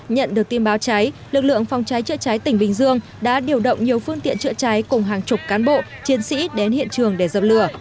nhận được tin báo cháy lực lượng phòng cháy chữa cháy tỉnh bình dương đã điều động nhiều phương tiện chữa cháy cùng hàng chục cán bộ chiến sĩ đến hiện trường để dập lửa